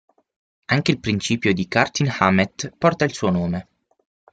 Anche il principio di Curtin-Hammett porta il suo nome.